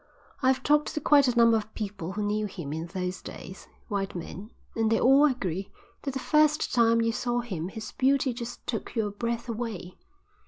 I've talked to quite a number of people who knew him in those days, white men, and they all agree that the first time you saw him his beauty just took your breath away.